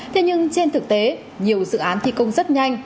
thế nhưng trên thực tế nhiều dự án thi công rất nhanh